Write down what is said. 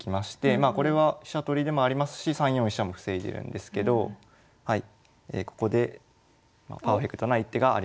まあこれは飛車取りでもありますし３四飛車も防いでるんですけどここでパーフェクトな一手があります。